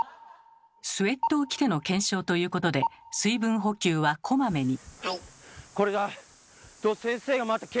スウェットを着ての検証ということで水分補給はこまめに。